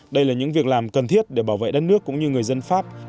đây là những việc làm cần thiết để bảo vệ đất nước cũng như người dân pháp